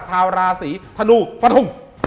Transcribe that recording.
ชาวราศีธนูฝรุง